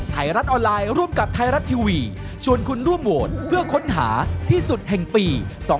ไทยรัฐออนไลน์ร่วมกับไทยรัฐทีวีชวนคุณร่วมโหวตเพื่อค้นหาที่สุดแห่งปี๒๕๖